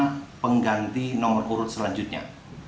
kpu harus mengganti nomor urut selanjutnya